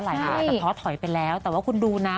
อาจจะท้อถอยไปแล้วแต่ว่าคุณดูนะ